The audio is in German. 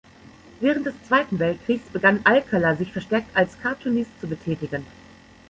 Während des Zweiten Weltkrieges begann Alcala sich verstärkt als Cartoonist zu betätigen.